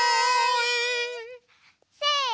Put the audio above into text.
せの！